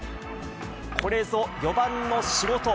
これぞ４番の仕事。